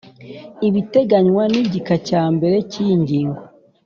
ibiteganywa n igika cya mbere cy’iyi ngingo